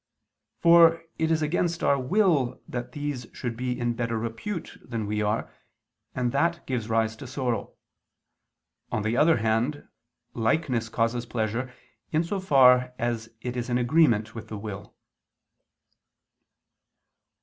For it is against our will that these should be in better repute than we are, and that gives rise to sorrow. On the other hand, likeness causes pleasure in so far as it is in agreement with the will.